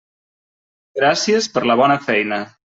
Gràcies per la bona feina.